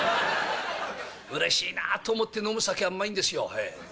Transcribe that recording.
うれしいなあと思って飲む酒はうまいんですよ。